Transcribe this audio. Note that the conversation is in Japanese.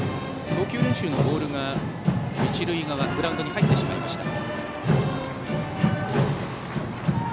投球練習のボールが一塁側、グラウンドに入ってしまいました。